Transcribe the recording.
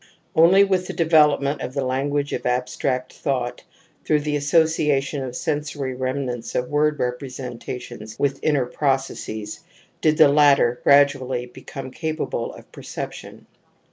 Only with the development of the language of abstract thought through the association of sensory rem nants of word representations with inner pro cesses, did the latter gradually become capable of perception.